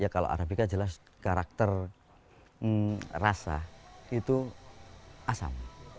kalau arabica jelas karakter rasa itu asam